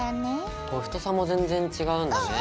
太さも全然違うんだね。